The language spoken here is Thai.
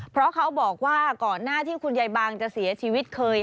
เพราะเขาบอกว่าก่อนหน้าที่คุณยายบางจะเสียชีวิตเคย